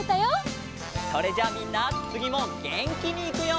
それじゃあみんなつぎもげんきにいくよ。